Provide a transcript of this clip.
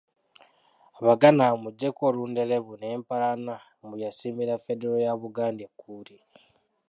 Abaganda bamuggyeko olunderebu n’empalana mbu y'asiimbira Federo ya Buganda ekkuuli.